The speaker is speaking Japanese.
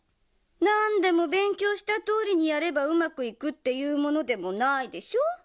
なんでもべんきょうしたとおりにやればうまくいくっていうものでもないでしょ。